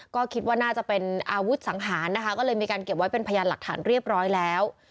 ก็คิดว่าน่าจะเป็นอาวุธสังหารนะคะก็เลยมีการเก็บไว้เป็นพยานหลักฐานเรียบร้อยแล้ว